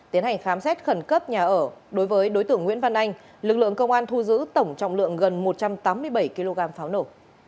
tiến hành khám xét khẩn cấp nhà ở đối với đối tượng nguyễn văn anh lực lượng công an thu giữ tổng trọng lượng gần một trăm tám mươi bảy kg pháo nổ